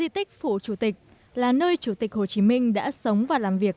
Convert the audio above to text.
khu di tích phủ chủ tịch là nơi chủ tịch hồ chí minh đã sống và làm việc